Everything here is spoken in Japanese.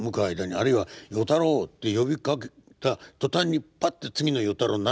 あるいは「与太郎」って呼びかけた途端にパッて次の与太郎になるんです。